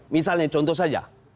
misalnya contoh saja